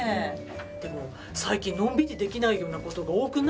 でも最近のんびりできないような事が多くない？